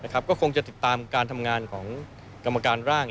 ก็คงจะติดตามการทำงานของกรรมการร่าง